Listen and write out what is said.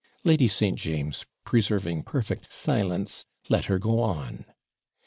Lady St. James, preserving perfect silence, let her go on.